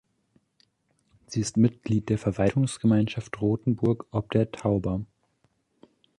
Sie ist Mitglied der Verwaltungsgemeinschaft Rothenburg ob der Tauber.